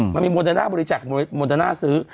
มันมีโมเดนาบริจักษ์โมเดนาซื้อ